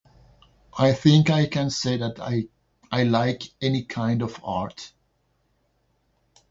I think I can say that I- I like any kind of art.